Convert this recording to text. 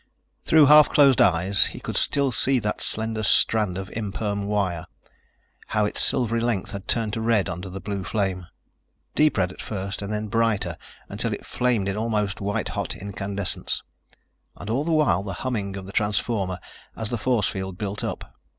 Through half closed eyes, he still could see that slender strand of imperm wire, how its silvery length had turned to red under the blue flame. Deep red at first and then brighter until it flamed in almost white hot incandescence. And all the while the humming of the transformer as the force field built up.